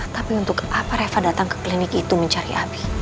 tapi untuk apa reva datang ke klinik itu mencari abi